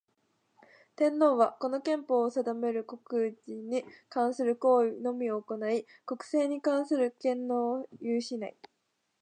天皇は、この憲法の定める国事に関する行為のみを行ひ、国政に関する権能を有しない。